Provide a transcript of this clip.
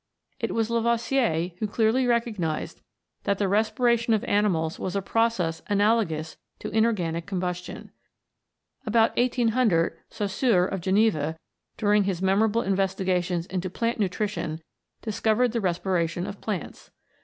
It was Lavoisier who clearly recognised that the respiration of animals was a process analogous to inorganic combustion. About 1800 Saussure, of Geneva, during his memorable investigations into plant nutrition discovered the respiration of plants.